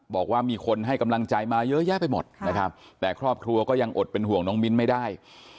บอกว่ามีคนให้กำลังใจมาเยอะแยะไปหมดนะครับแต่ครอบครัวก็ยังอดเป็นห่วงน้องมิ้นไม่ได้